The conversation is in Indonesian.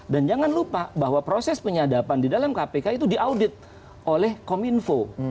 dan jangan lupa bahwa proses penyadapan di dalam kpk itu diaudit oleh kominfo